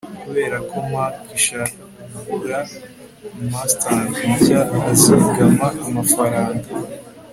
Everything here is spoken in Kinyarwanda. kubera ko mac ishaka kugura mustang nshya, azigama amafaranga